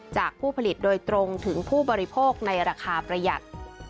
จากผู้ผลิตโดยตรงถึงผู้บริโภคในราคาประหยัด